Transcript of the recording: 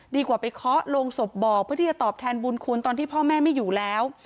ดีกว่าไปเคาะลงศพบอกเพื่อที่จะตอบแทนบุญคุณตอนที่พ่อแม่ไม่อยู่แล้ว